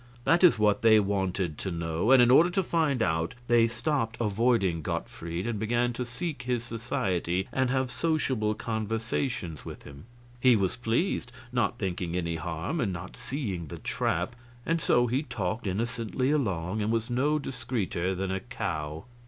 That is what they wanted to know; and in order to find out they stopped avoiding Gottfried and began to seek his society and have sociable conversations with him. He was pleased not thinking any harm and not seeing the trap and so he talked innocently along, and was no discreeter than a cow.